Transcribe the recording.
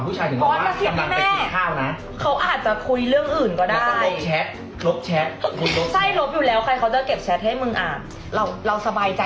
ผู้ชายถึงรัวว่า